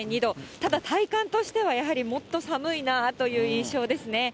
ただ、体感としてはやはりもっと寒いなという印象ですね。